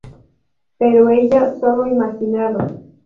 Pero ella sólo imaginado.